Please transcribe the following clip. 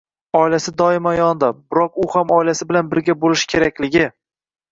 Oilasi doimo yonida. Biroq u ham oilasi bilan birga bo‘lishi kerakligi.